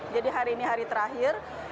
jadi hari ini hari terakhir